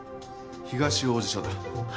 東王子署だ。